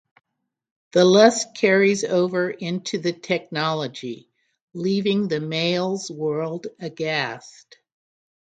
The lust carries over into the technology, leaving the males' world aghast.